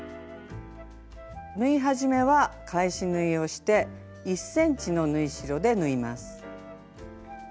縫い始めは返し縫いをして１ｃｍの縫い代で縫います。